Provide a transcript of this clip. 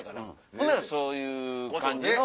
ほんならそういう感じの。